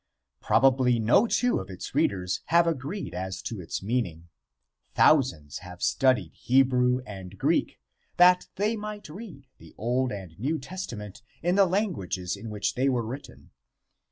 Probably no two of its readers have agreed as to its meaning. Thousands have studied Hebrew and Greek that they might read the Old and New Testament in the languages in which they were written.